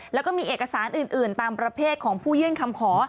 แล้วก็มีเอกสารอื่นตามประเภทของผู้ยื่นคำขอ